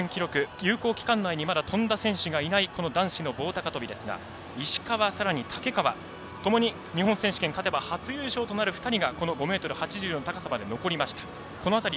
有効期間内に跳んだ選手がいない男子棒高跳びですが石川、さらに竹川ともに日本選手権初優勝となる２人が５ｍ８０ｍの高さまで残りました。